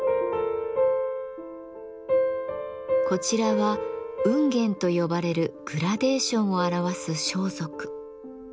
こちらは繧繝と呼ばれるグラデーションを表す装束。